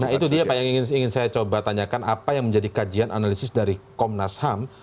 nah itu dia pak yang ingin saya coba tanyakan apa yang menjadi kajian analisis dari komnas ham